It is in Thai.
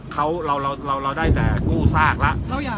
เราได้แต่กู้ซากละ